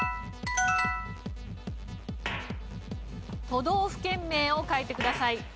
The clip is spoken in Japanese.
都道府県名を書いてください。